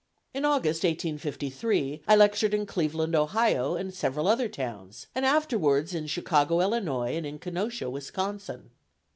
In August, 1853, I lectured in Cleveland, Ohio, and several other towns, and afterwards in Chicago, Illinois, and in Kenosha, Wisconsin.